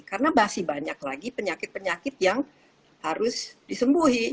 karena masih banyak lagi penyakit penyakit yang harus disembuhi